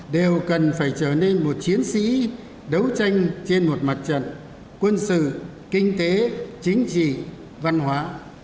đều cần phải trở nên một chiến sĩ đấu tranh trên một mặt trận quân sự kinh tế chính trị văn hóa